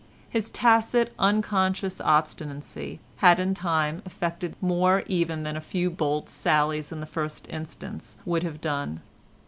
His tacit, unconscious obstinacy had in time effected more even than a few bold sallies in the first instance would have done.